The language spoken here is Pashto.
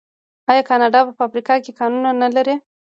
آیا کاناډا په افریقا کې کانونه نلري؟